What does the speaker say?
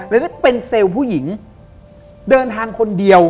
แล้วได้เป็นเซลล์ผู้หญิงเดินทางคนเดียว